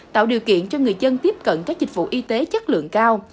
tạo điều kiện cho người dân tiếp cận các dịch vụ y tế chất lượng cao